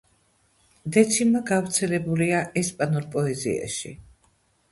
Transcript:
დეციმა გავრცელებულია ესპანურ პოეზიაში.